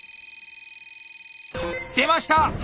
出ました